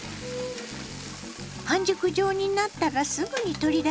半熟状になったらすぐに取り出します。